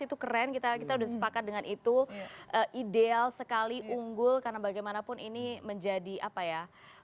untuk mengunggul karena bagaimanapun ini menjadi apa ya